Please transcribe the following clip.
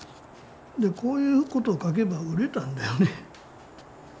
こういうことを書けば売れたんだよね。